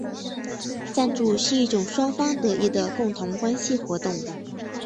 赞助是一种双方得益的公共关系活动。